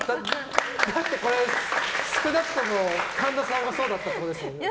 だってこれ少なくとも神田さんがそうだったってことですよね。